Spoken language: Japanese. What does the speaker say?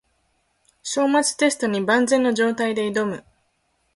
章末テストに万全の状態で挑む